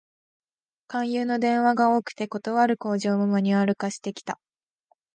勧誘の電話が多くて、断る口上もマニュアル化してきた